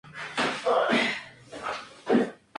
El equipo rosarino, más tarde, compra la totalidad del pase.